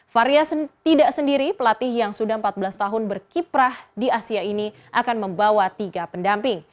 faria tidak sendiri pelatih yang sudah empat belas tahun berkiprah di asia ini akan membawa tiga pendamping